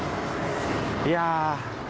いや。